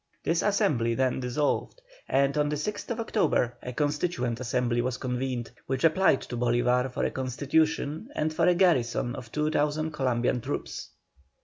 This Assembly then dissolved, and on the 6th October a Constituent Assembly was convened, which applied to Bolívar for a Constitution, and for a garrison of 2,000 Columbian troops.